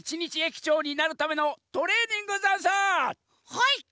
はい！